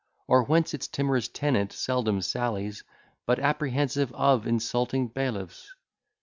Or whence its timorous tenant seldom sallies, But apprehensive of insulting bailiffs?